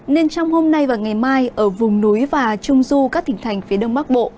nên trong hôm nay và ngày mai ở vùng núi và trung du các tỉnh thành phía đông bắc bộ